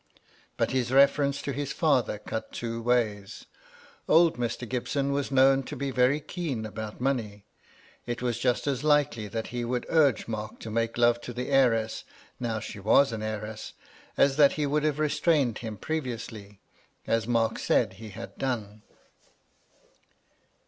But his reference to his father cut two ways. Old Mr. Gibson was known to be very o 3 298 MY LADY LUDLOW, keen about money. It was just as likely that he would urge Mark to make loye to the heiress, now she was an heiress, as that he would have restrained him previously, as Mark said he had done.